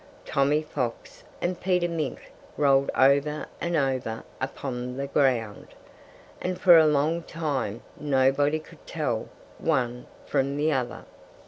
Tommy Fox and Peter Mink rolled over and over upon the ground. And for a long time nobody could tell one from the other.